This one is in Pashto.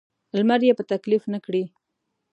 لمر یې په تکلیف نه کړي.